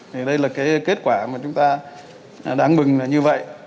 thì đây là cái kết quả mà chúng ta đáng mừng là như vậy